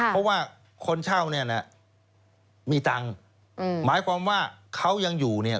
เพราะว่าคนเช่าเนี่ยนะมีตังค์หมายความว่าเขายังอยู่เนี่ย